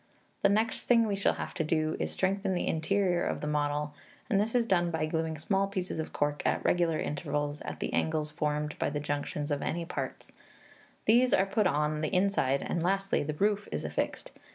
The next thing we shall have to do is to strengthen the interior of the model, and this is done by glueing small pieces of cork, at irregular intervals, at the angles formed by the junction of any parts; these are put on the inside, and lastly, the roof is affixed.